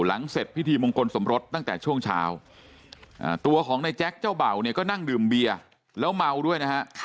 เสร็จพิธีมงคลสมรสตั้งแต่ช่วงเช้าตัวของนายแจ๊คเจ้าเบ่าเนี่ยก็นั่งดื่มเบียร์แล้วเมาด้วยนะฮะ